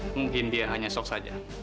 mungkin dia hanya sok saja